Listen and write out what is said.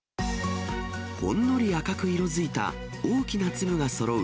ほんのり赤く色づいた大きな粒がそろう、